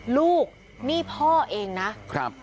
ลูกนี่พ่อเองนะ